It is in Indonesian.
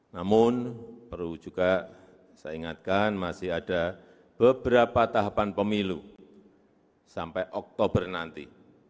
namun perlu juga saya ingatkan masih ada beberapa tahapan pemilu sampai oktober nanti